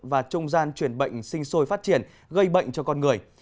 và trung gian chuyển bệnh sinh sôi phát triển gây bệnh cho con người